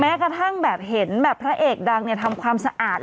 กระทั่งแบบเห็นแบบพระเอกดังทำความสะอาด